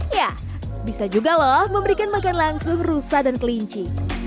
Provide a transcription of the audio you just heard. ya bisa juga loh memberikan makan langsung rusa dan kelinci